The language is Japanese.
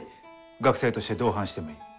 学生として同伴してもいい。